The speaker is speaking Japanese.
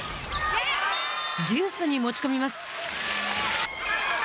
デュースに持ち込みます。